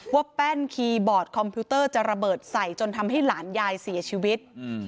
แป้นคีย์บอร์ดคอมพิวเตอร์จะระเบิดใส่จนทำให้หลานยายเสียชีวิต